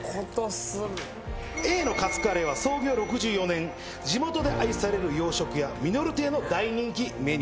Ａのカツカレーは創業６４年地元で愛される洋食屋みのる亭の大人気メニューとなってます。